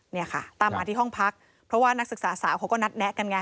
เนี่ยค่ะตามมาที่ห้องพักเพราะว่านักศึกษาสาวเขาก็นัดแนะกันไง